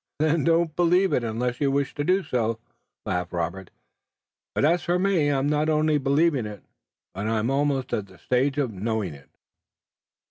"Then don't believe it unless you wish to do so," laughed Robert, "but as for me I'm not only believing it, but I'm almost at the stage of knowing it."